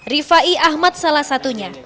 rifai ahmad salah satunya